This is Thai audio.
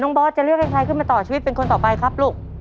บอสจะเลือกให้ใครขึ้นมาต่อชีวิตเป็นคนต่อไปครับลูก